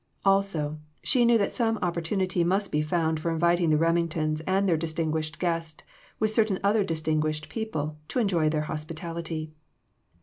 Also, she knew that some opportu nity must be found for inviting the Remingtons and their distinguished guest, with certain other distinguished people, to enjoy their hospitality.